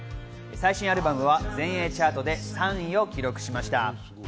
最新アルバムは全英チャートで３位を記録しました。